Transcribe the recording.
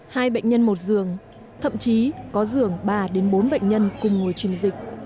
hai bệnh nhân một giường thậm chí có giường ba bốn bệnh nhân cùng ngồi trình dịch